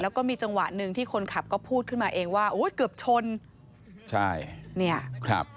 แล้วก็มีจังหวะหนึ่งที่คนขับก็พูดขึ้นมาเองว่าโอ้ยเกือบชนใช่เนี่ยครับ